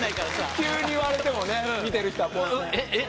急に言われてもね見てる人は。